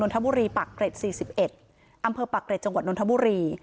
น้นทะบุรีปักเกรดสี่สิบเอ็ดอำเภอปักเกรดจังหวัดน้นทะบุรี